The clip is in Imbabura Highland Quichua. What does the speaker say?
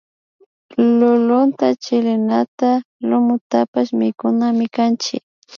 Lulunta chilinata lumutapash mikunamikanchik